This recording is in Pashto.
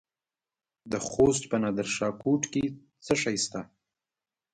د خوست په نادر شاه کوټ کې څه شی شته؟